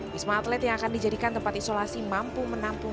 wisma atlet yang akan dijadikan tempat isolasi mampu menampung